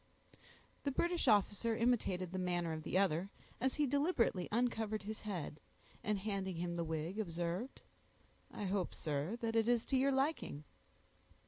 The British officer imitated the manner of the other, as he deliberately uncovered his head, and handing him the wig, observed, "I hope, sir, it is to your liking."